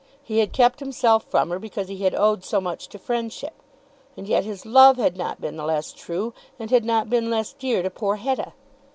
He had kept himself from her because he had owed so much to friendship. And yet his love had not been the less true, and had not been less dear to poor Hetta.